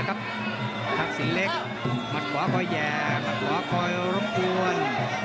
ครับทักสินเล็กมัดบ่าคอยแย่มัดบ่าคอยล้มปวน